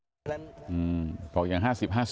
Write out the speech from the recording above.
โหบยัง๕๐๕๐